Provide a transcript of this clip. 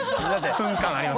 フン感あります？